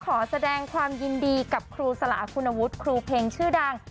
ขอแสดงความยินดีกับครูสละคุณวุฒิครูเพลงชื่อดัง